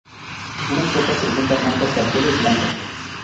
Unas pocas presentan marcas faciales blancas.